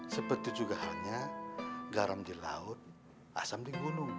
seperti juga halnya garam di laut asam di gunung